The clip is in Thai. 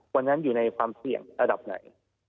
วันนั้นอยู่ในความเสี่ยงระดับไหน